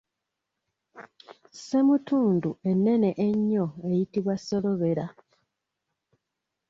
Ssemutundu ennene ennyo eyitibwa solobera.